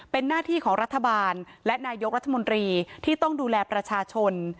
เป็นหน้าที่ของรัฐบาลและนายกรัฐมนตรีที่ต้องดูแลประชาชน